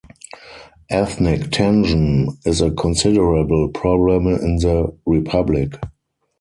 Ethnic tension is a considerable problem in the republic.